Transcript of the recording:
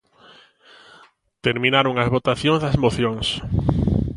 Terminaron as votacións das mocións.